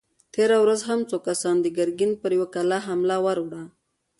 تېره ورځ هم څو کسانو د ګرګين پر يوه کلا حمله ور وړه!